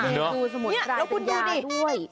นี่ดูสมุดรายเป็นยาด้วย